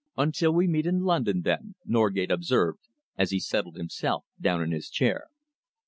"Until we meet in London, then," Norgate observed, as he settled himself down in his chair.